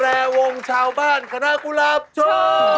วงชาวบ้านคณะกุหลาบโชว์